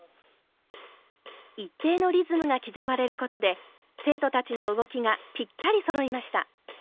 一定のリズムが刻まれることで生徒たちの動きがピッタリそろいました。